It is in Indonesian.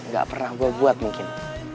gak pernah gue buat mungkin